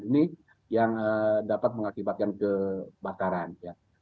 ini yang dapat mengakibatkan kebakaran ya